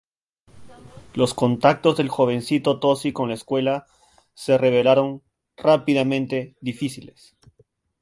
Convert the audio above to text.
Los contactos del jovencito Tozzi con la escuela se revelaron rápidamente difíciles.